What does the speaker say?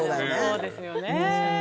そうですよね。